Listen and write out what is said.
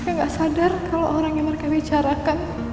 mereka gak sadar kalau orang yang mereka bicarakan